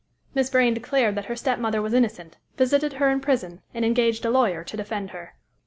Miss Vrain declared that her stepmother was innocent, visited her in prison, and engaged a lawyer to defend her.